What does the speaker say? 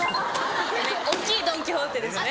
大っきいドン・キホーテですね。